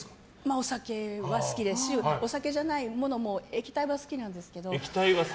お酒は好きですしお酒じゃないものも液体は好きなんですけど。